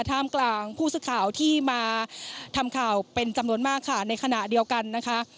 ท่ามกลางผู้สื่อข่าวที่มาทำข่าวเป็นจำนวนมากค่ะในขณะเดียวกันนะคะ